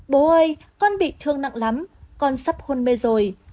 bố ơi con bị thương nặng lắm con sắp khôn mê rồi